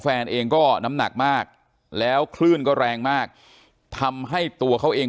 แฟนเองก็น้ำหนักมากแล้วคลื่นก็แรงมากทำให้ตัวเขาเอง